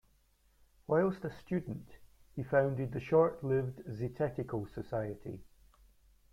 Whilst a student he founded the short-lived Zetetical Society.